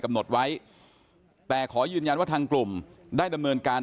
กำหนดไว้แต่ขอยืนยันว่าทางกลุ่มได้ดำเนินการ